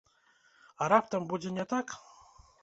А раптам будзе не так?